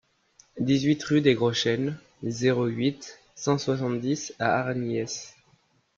dix-huit rue des Gros Chênes, zéro huit, cent soixante-dix à Hargnies